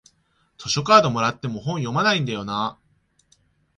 図書カードもらっても本読まないんだよなあ